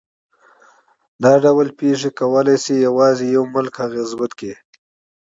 دا ډول پېښې کولای شي یوازې یو هېواد اغېزمن کړي.